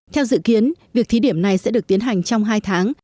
theo dự kiến việc thí điểm này sẽ được tiến hành trong hai tháng